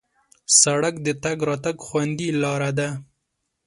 سړک د تګ راتګ خوندي لاره ده.